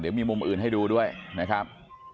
เดี๋ยวมีมุมอื่นให้ดูด้วยนะครับ